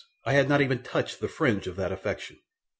I had not even touched the fringe of that affliction.